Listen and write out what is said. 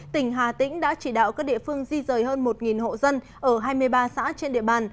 tỉnh hà tĩnh đã chỉ đạo các địa phương di rời hơn một hộ dân ở hai mươi ba xã trên địa bàn